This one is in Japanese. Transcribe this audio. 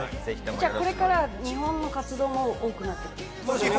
これから日本の活動も多くなっていく？